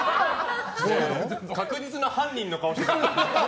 確実な犯人の顔してる。